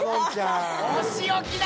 お仕置きだ！